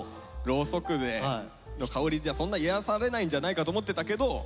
ろうそくの香りじゃそんな癒やされないんじゃないかと思ってたけど。